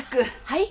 はい？